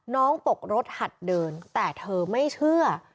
ตกรถหัดเดินแต่เธอไม่เชื่อ